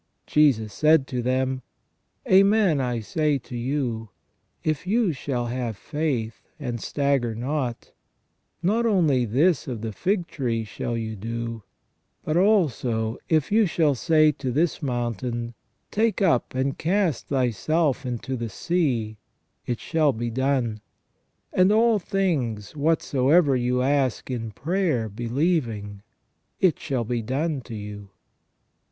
" Jesus said to them :" Amen, I say to you, if you shall have faith, and stagger not, not only this of the fig tree shall you do, but also if you shall say to this mountain : Take up and cast thyself into the sea, it shall be done. And all things whatsoever you ask in prayer believing, it 5 66 THE SECONDARY IMAGE OF GOD IN MAN. shall be done to you."